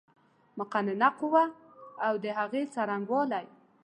مقننه قوه اود هغې څرنګوالی